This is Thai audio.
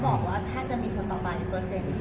แต่ว่าเราใช้จะเป้าระวังได้แต่เบื้องตน